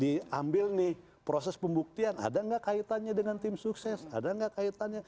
diambil nih proses pembuktian ada nggak kaitannya dengan tim sukses ada enggak kaitannya